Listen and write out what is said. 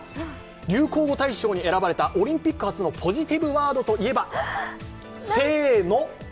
流行語大賞に選ばれたオリンピック発のポジティプワードといえば？